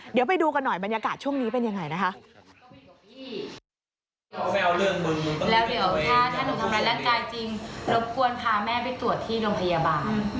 เดี๋ยวไปดูกันหน่อยบรรยากาศช่วงนี้เป็นยังไงนะคะ